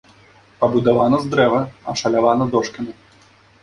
Пабудавана з дрэва, ашалявана дошкамі.